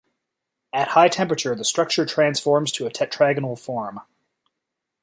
At high temperature the structure transforms to a tetragonal form.